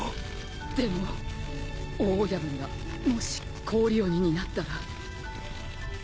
でも大親分がもし氷鬼になったら。